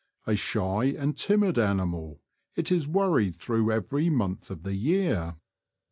A shy and timid animal, it is worried through every month of the year.